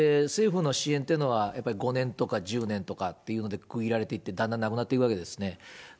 政府の支援ってのは、やっぱり５年とか１０年とかっていうので区切られていって、だんだんなくなっていくわけですね。